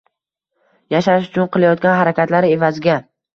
– yashash uchun qilayotgan harakatlari evaziga